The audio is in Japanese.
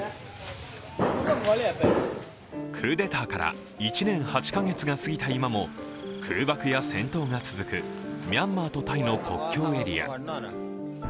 クーデターから１年８か月が過ぎた今も空爆や戦闘が続くミャンマーとタイの国境エリア。